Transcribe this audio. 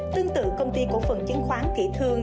tương tự công ty cổ phần chứng khoán kỹ thương